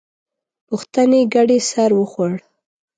پوښتنې ګډې سر وخوړ.